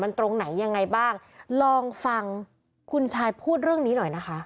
ตรงไหนยังไงบ้างลองฟังคุณชายพูดเรื่องนี้หน่อยนะคะ